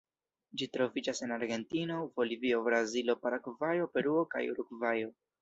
Ĝi troviĝas en Argentino, Bolivio, Brazilo, Paragvajo, Peruo kaj Urugvajo.